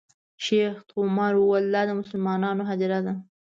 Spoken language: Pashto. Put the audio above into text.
شیخ عمر وویل دا د مسلمانانو هدیره ده.